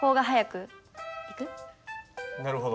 なるほど。